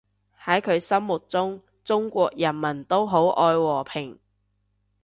喺佢心目中，中國人民都愛好和平